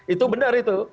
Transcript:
itu benar itu